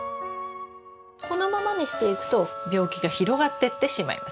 このままにしておくと病気が広がってってしまいます。